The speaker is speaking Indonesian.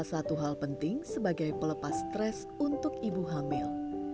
hal hal penting sebagai pelepas stres untuk ibu hamil